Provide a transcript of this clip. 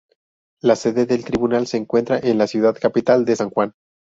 La sede del tribunal se encuentra en la ciudad capital de San Juan.